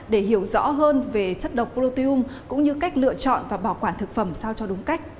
để hiểu rõ hơn về chất độc proteinum cũng như cách lựa chọn và bảo quản thực phẩm sao cho đúng cách